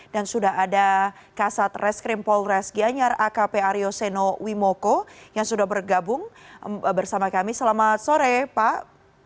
dan sudah ada kasat reskrim polres gianyar akp arioseno wimoko yang sudah bergabung bersama kami selamat sore pak